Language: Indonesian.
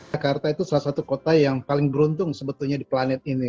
jakarta itu salah satu kota yang paling beruntung sebetulnya di planet ini